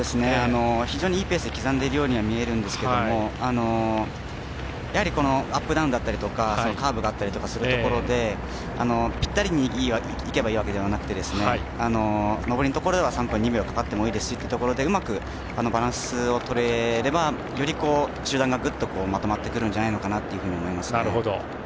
非常にいいペースで刻んでいるようには見えるんですけどやはりアップダウンだったりとかカーブがあったりするところでぴったりにいけばいいわけではなくて上りのところは３分２秒かかってもいいですしというところでうまくバランスをとれればより、集団がぐっとまとまってくるんじゃないかなと思います。